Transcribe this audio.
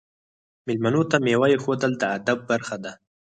میلمنو ته میوه ایښودل د ادب برخه ده.